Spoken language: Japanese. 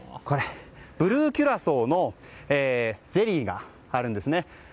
ブルーキュラソーのゼリーがあるんですね。